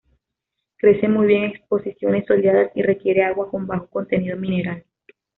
Crece muy bien en exposiciones soleadas y requiere agua con bajo contenido mineral.